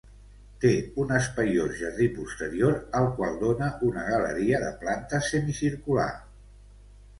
Té un espaiós jardí posterior al qual dóna una galeria de planta semicircular.